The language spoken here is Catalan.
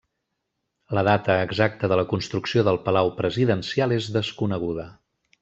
La data exacta de la construcció del Palau Presidencial és desconeguda.